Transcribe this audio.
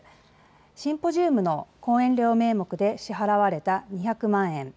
シンポジウムの講演料名目で支払われた２００万円。